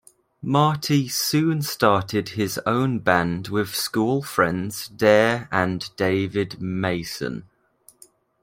Marty soon started his own band with school friends Dare and David Mason.